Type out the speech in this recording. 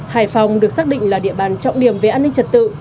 hải phòng được xác định là địa bàn trọng điểm về an ninh trật tự